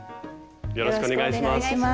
よろしくお願いします。